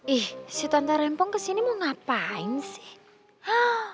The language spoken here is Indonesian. ih si tante rempong kesini mau ngapain sih